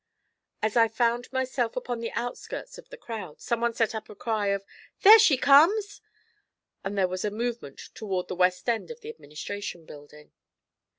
As I found myself upon the outskirts of the crowd, someone set up a cry of 'There she comes!' and there was a movement toward the west end of the Administration Building.